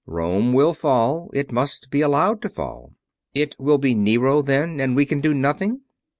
Rome will fall. It must be allowed to fall." "It will be Nero, then? And we can do nothing?"